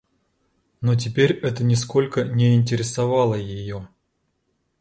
Но теперь это нисколько не интересовало ее.